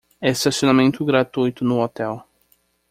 Estacionamento gratuito no hotel